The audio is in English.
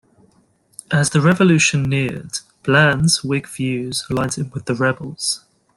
As the Revolution neared, Bland's Whig views aligned him with the rebels.